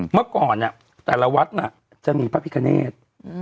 เมื่อก่อนแต่วัดจะมีพระพิกณฑ์